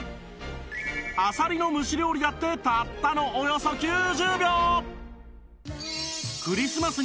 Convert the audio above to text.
あさりの蒸し料理だってたったのおよそ９０秒！